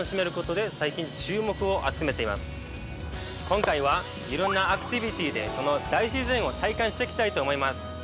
今回は、いろんなアクティビティでその大自然を体感してきたいと思います。